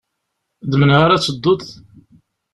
D menhu ara d-tedduḍ?